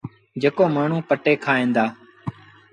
جيڪو مآڻهوٚݩ پٽي کائيٚݩ دآ۔